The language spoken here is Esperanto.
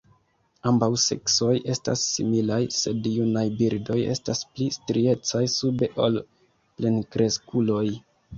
Ambaŭ seksoj estas similaj, sed junaj birdoj estas pli striecaj sube ol plenkreskuloj.